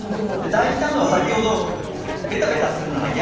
大事なのは先ほどベタベタするのが嫌だって。